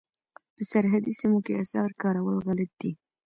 په سرحدي سیمو کې اسعار کارول غلط دي.